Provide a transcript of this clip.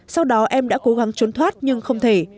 sau đó em đã cố gắng trốn thoát nhưng không thể